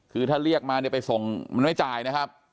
คือถ้าเรียกมาเนี่ยไปส่งมันไม่จ่ายนะครับ